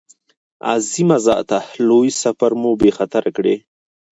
عظیمه ذاته لوی سفر مو بې خطره کړې.